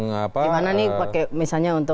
gimana nih misalnya untuk